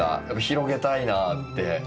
広げたいなって。